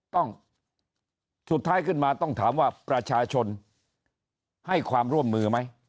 สุดท้ายขึ้นมาต้องถามว่าประชาชนให้ความร่วมมือไหม